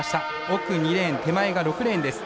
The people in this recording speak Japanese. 奥２レーン、手前が６レーンです。